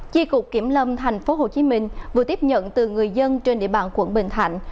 chi cục kiểm lâm thành phố hồ chí minh vừa tiếp nhận từ người dân trên địa bàn quận bình thạnh